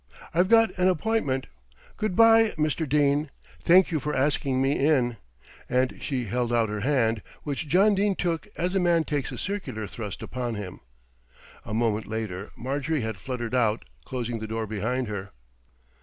"I've got an appointment. Good bye, Mr. Dene. Thank you for asking me in;" and she held out her hand, which John Dene took as a man takes a circular thrust upon him. A moment later Marjorie had fluttered out, closing the door behind her.